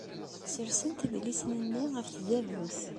Ssersent idlisen-nni ɣef tdabut.